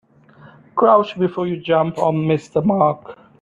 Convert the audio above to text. Crouch before you jump or miss the mark.